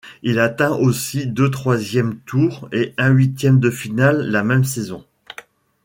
Il atteint aussi deux troisièmes tours et un huitième de finale la même saison.